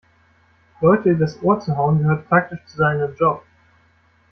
Leute übers Ohr zu hauen, gehört praktisch zu seinem Job.